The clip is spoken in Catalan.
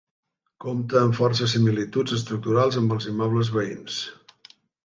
Compta amb força similituds estructurals amb els immobles veïns.